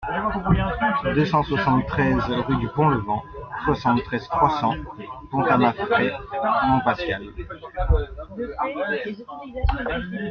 deux cent soixante-treize rue du Pont Levant, soixante-treize, trois cents, Pontamafrey-Montpascal